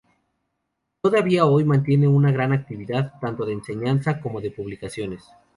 Todavía hoy mantiene una gran actividad tanto de enseñanza como de publicaciones.